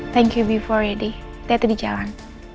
thank you bi for you di kita itu di jalan